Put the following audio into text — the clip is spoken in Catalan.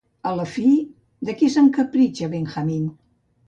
A la fi, de qui s'encapritxa Benjamin?